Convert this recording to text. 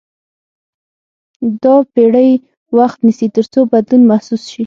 دا پېړۍ وخت نیسي تر څو بدلون محسوس شي.